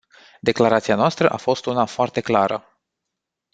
Declarația noastră a fost una foarte clară.